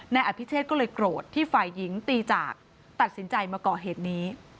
นายอภิเชษก็เลยโกรธที่ฝ่ายหญิงตีจากตัดสินใจมาก่อเหตุนี้